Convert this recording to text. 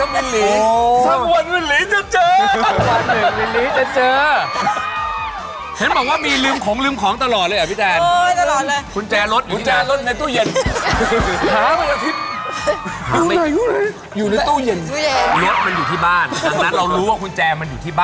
อาทิตย์กว่าระรึเปล่าจ้าคนเข้ามาเปิดกุญแจให้